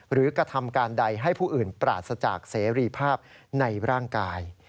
กระทำการใดให้ผู้อื่นปราศจากเสรีภาพในร่างกาย